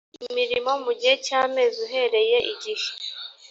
imirimo mu gihe cy amezi uhereye igihe